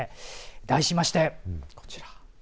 題しまして、こちら。